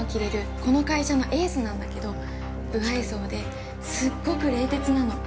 この会社エースなんだけど、無愛想ですっごく冷徹なの。